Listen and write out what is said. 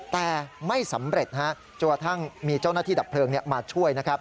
แต่ไม่สำเร็จจนกว่าท่างมีเจ้านักที่ดับเพลิงมาช่วย